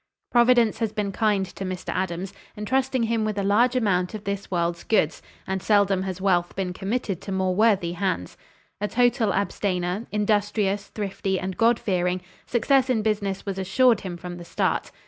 Providence has been kind to Mr. Adams, entrusting him with a large amount of this world's goods, and seldom has wealth been committed to more worthy hands. A total abstainer, industrious, thrifty and God fearing, success in business was assured him from the start.